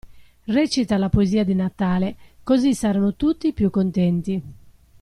Recita la poesia di Natale, così saranno tutti più contenti.